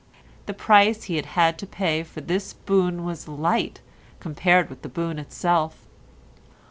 The price he had had to pay for this boon was light as compared with the boon itself.